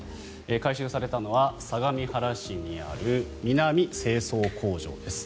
回収されたのは相模原市にある南清掃工場です。